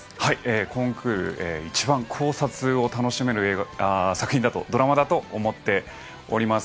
今クールで一番考察を楽しめるドラマだと思っております。